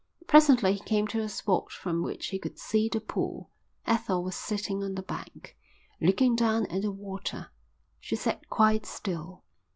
Presently he came to a spot from which he could see the pool. Ethel was sitting on the bank, looking down at the water. She sat quite still.